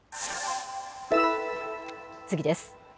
次です。